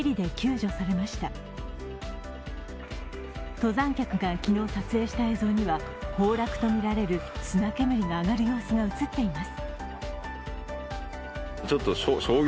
登山客が昨日撮影した映像には崩落とみられる砂煙が上がる様子が映っています。